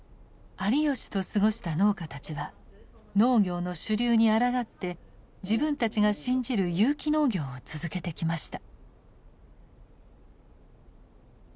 有吉と過ごした農家たちは農業の主流にあらがって自分たちが信じる有機農業を続けてきました。